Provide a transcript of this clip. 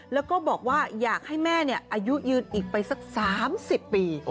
แล้วก็บอกว่าอยากให้แม่อายุยืนอีกไปสัก๓๐ปี